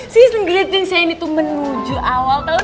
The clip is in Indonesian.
season grating saya ini tuh menuju awal tahun